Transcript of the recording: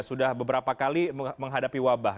sudah beberapa kali menghadapi wabah